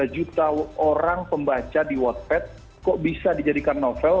dua puluh tiga juta orang pembaca di whatspage kok bisa dijadikan novel